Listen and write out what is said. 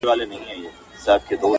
خو په مقاله کې دې ټولې حوالې